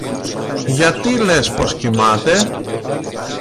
Γιατί λες πως κοιμάται;